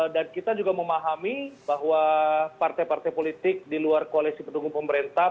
dan kita juga memahami bahwa partai partai politik di luar koalisi pendukung pemerintah